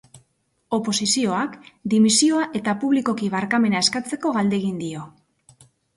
Oposizioak dimisioa eta publikoki barkamena eskatzeko galdegin dio.